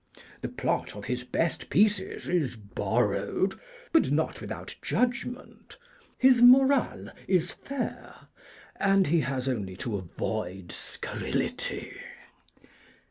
The plot of his best pieces is borrowed, but not without judgment; his morale is fair, and he has only to avoid scurrility.'